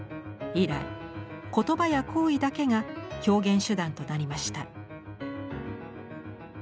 以来言葉や行為だけが表現手段となりました。